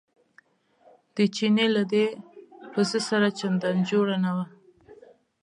د چیني له دې پسه سره چندان جوړه نه وه.